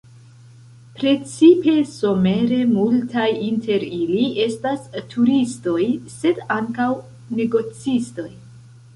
Precipe somere multaj inter ili estas turistoj, sed ankaŭ negocistoj.